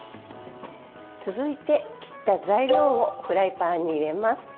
続いて、切った材料をフライパンに入れます。